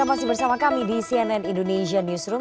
terima kasih bersama kami di cnn indonesia newsroom